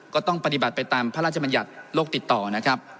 ก็ต้องปฏิบัติไปตามพระราชมัญญัติโลกติดต่อนะครับ